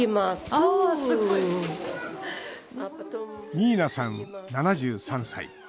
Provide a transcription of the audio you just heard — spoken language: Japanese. ニーナさん７３歳。